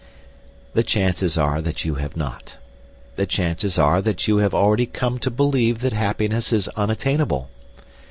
The chances are that you have not. The chances are that you have already come to believe that happiness is unattainable.